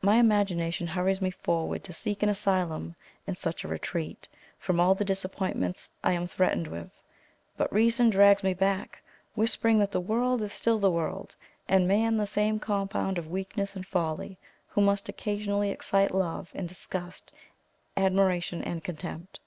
My imagination hurries me forward to seek an asylum in such a retreat from all the disappointments I am threatened with; but reason drags me back, whispering that the world is still the world, and man the same compound of weakness and folly, who must occasionally excite love and disgust, admiration and contempt.